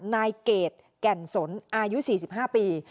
นายเกดแก่นสนอายุ๔๕ปี